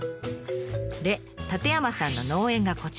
で舘山さんの農園がこちら。